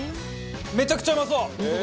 めちゃくちゃうまそう！